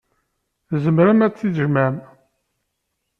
Tzemrem ad tt-tjemɛem.